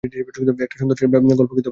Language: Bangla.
একটা সুন্দর বাড়ি, গল্পকে পোক্ত করে।